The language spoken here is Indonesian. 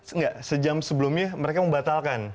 enggak sejam sebelumnya mereka membatalkan